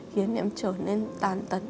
khiến em trở nên tàn tật